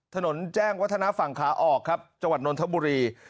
ถนนแจ้งวัฒนาฝั่งขาออกครับจังหวัดนทบุรี